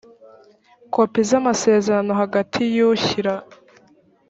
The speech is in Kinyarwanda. kopi z amasezerano hagati y ushyira